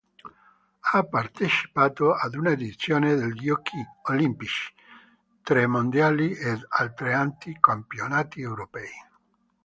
Ha partecipato ad una edizione dei Giochi olimpici, tre mondiali ed altrettanti campionati europei.